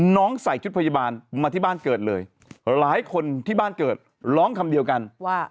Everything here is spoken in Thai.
ใส่ชุดพยาบาลมาที่บ้านเกิดเลยหลายคนที่บ้านเกิดร้องคำเดียวกันว่า